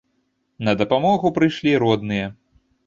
На дапамогу прыйшлі родныя.